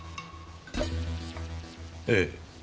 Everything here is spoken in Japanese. ええ。